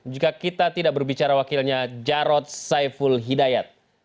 jika kita tidak berbicara wakilnya jarod saiful hidayat